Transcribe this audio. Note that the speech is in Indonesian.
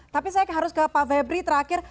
tapi saya harus ke pak febri terakhir